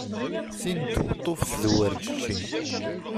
Tin n tweṭṭuft d uwerǧeǧi.